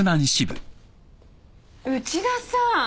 内田さん！